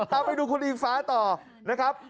เอาไปดูคุณอิงฟ้าต่อนะครับ